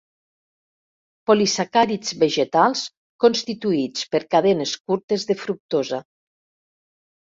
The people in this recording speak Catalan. Polisacàrids vegetals constituïts per cadenes curtes de fructosa.